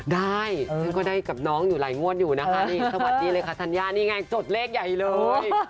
ได้ฉันก็ได้กับน้องอยู่หลายงวดอยู่นะคะนี่สวัสดีเลยค่ะธัญญานี่ไงจดเลขใหญ่เลย